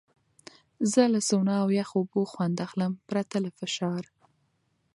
زه له سونا او یخو اوبو خوند اخلم، پرته له فشار.